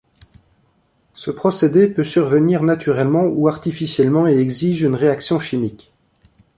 Ce procédé peut survenir naturellement ou artificiellement et exige une réaction chimique.